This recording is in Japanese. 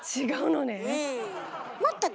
違うのね。